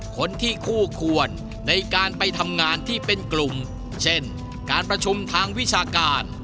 คนที่คู่ควรในการไปทำงานที่เป็นกลุ่มเช่นการประชุมทางวิชาการ